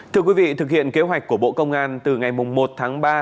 thưa quý vị thực hiện kế hoạch của bộ công an từ ngày một tháng ba